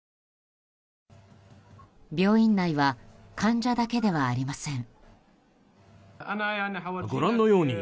病院内は患者だけではありません。